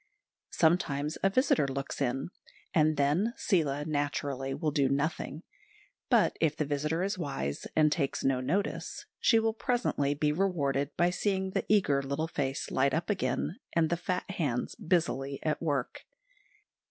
Sometimes a visitor looks in, and then Seela, naturally, will do nothing; but if the visitor is wise and takes no notice, she will presently be rewarded by seeing the eager little face light up again, and the fat hands busily at work.